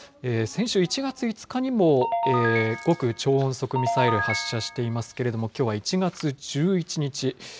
先週１月５日にも極超音速ミサイル発射していますけれども、きょうは１月１１日。